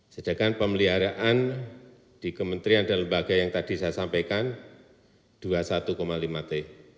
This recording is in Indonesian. sedangkan pemeliharaan di kementerian dan lembaga yang tadi saya sampaikan dua puluh satu lima t